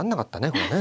これね。